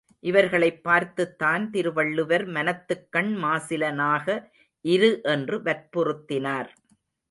இவர்களைப் பார்த்துத்தான் திருவள்ளுவர் மனத்துக்கண் மாசிலனாக இரு என்று வற்புறுத்தினார்.